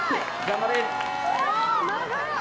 頑張れ！